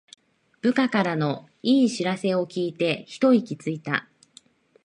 部下からの良い知らせを聞いてひと息ついた